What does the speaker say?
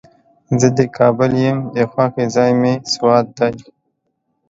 زه د کابل یم، د خوښې ځای مې سوات دی.